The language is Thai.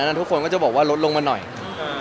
แล้วถ่ายละครมันก็๘๙เดือนอะไรอย่างนี้